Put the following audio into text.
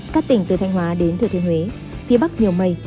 các tỉnh từ thanh hóa đến thừa thiên huế phía bắc nhiều mây